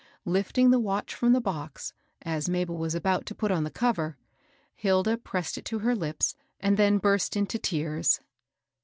Lifting the watch from the box, as Mabel was about to put on the cover, Hilda pressed it to her lips, and then burst into tears.